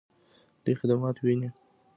دوی خدمات ویني؟